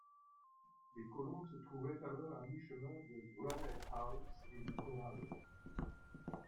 Les colons se trouvaient alors à mi-chemin de Granite-house et du corral.